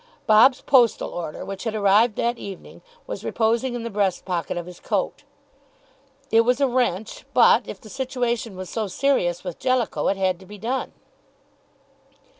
Bob's postal order, which had arrived that evening, was reposing in the breast pocket of his coat. It was a wrench, but, if the situation was so serious with Jellicoe, it had to be done.